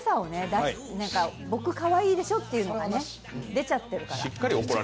僕かわいいでしょっていうのが出ちゃってるから。